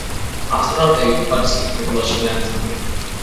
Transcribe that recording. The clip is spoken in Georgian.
ასტრონავტები მთვარისკენ, თებერვალში გაემგზავრნენ.